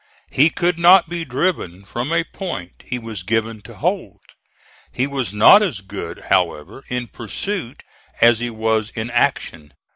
He could not be driven from a point he was given to hold. He was not as good, however, in pursuit as he was in action.